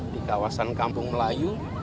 di kawasan kampung melayu